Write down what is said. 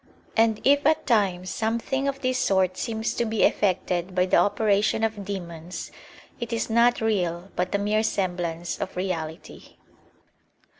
And if at times something of this sort seems to be effected by the operation of demons, it is not real but a mere semblance of reality.